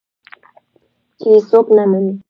که يې څوک نه مني.